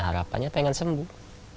harapannya pengen sembuh